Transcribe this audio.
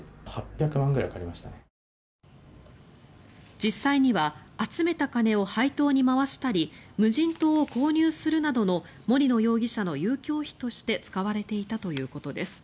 実際には集めた金を配当に回したり無人島を購入するなどの森野容疑者の遊興費として使われていたということです。